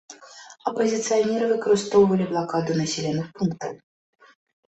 Апазіцыянеры выкарыстоўвалі блакаду населеных пунктаў.